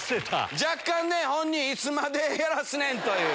若干ね、本人、いつまでやらすねんという。